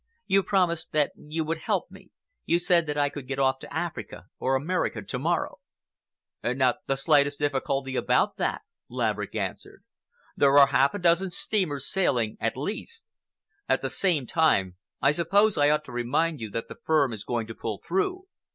You promised that you would help me. You said that I could get off to Africa or America to morrow." "Not the slightest difficulty about that," Laverick answered. "There are half a dozen steamers sailing, at least. At the same time, I suppose I ought to remind you that the firm is going to pull through.